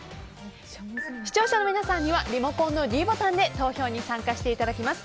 視聴者の皆さんにはリモコンのｄボタンで投票に参加していただきます。